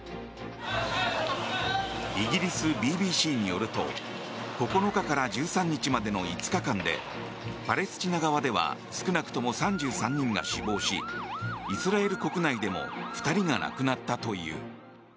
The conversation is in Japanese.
イギリス・ＢＢＣによると９日から１３日の５日間でパレスチナ側では少なくとも３３人が死亡しイスラエル国内でも２人が亡くなったという。